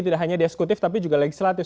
tidak hanya di eksekutif tapi juga legislatif